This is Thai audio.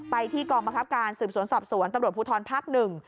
ไปที่กองมหักภัพการสืบสวนสอบสวนตำรวจภูทรภักดิ์๑